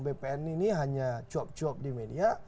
bpn ini hanya cuap cuap di media